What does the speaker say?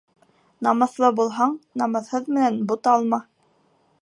Намыҫлы булһаң, намыҫһыҙ менән буталма.